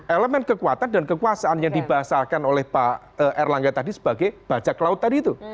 elemen kekuatan dan kekuasaan yang dibahasakan oleh pak erlangga tadi sebagai bajak laut tadi itu